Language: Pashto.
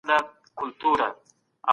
موږ پر نوي موضوع خبرې کوو.